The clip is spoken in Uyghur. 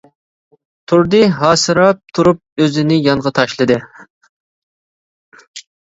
تۇردى ھاسىراپ تۇرۇپ ئۆزىنى يانغا تاشلىدى.